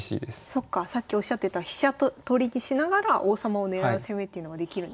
そっかさっきおっしゃってた飛車取りにしながら王様を狙う攻めっていうのができるんですね。